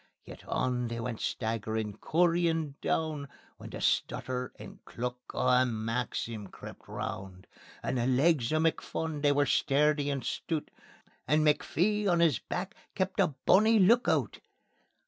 Yet on they went staggerin', cooryin' doun When the stutter and cluck o' a Maxim crept roun'. And the legs o' McPhun they were sturdy and stoot, And McPhee on his back kept a bonnie look oot.